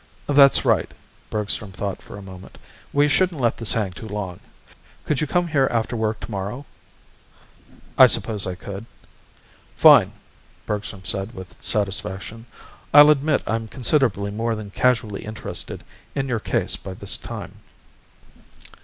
"That's right." Bergstrom thought for a moment. "We shouldn't let this hang too long. Could you come here after work tomorrow?" "I suppose I could." "Fine," Bergstrom said with satisfaction. "I'll admit I'm considerably more than casually interested in your case by this time."